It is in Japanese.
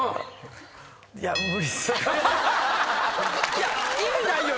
いや意味ないよ。